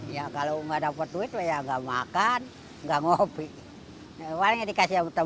ya kalau aku tidak dapat duit ya nggak makan nggak ngobik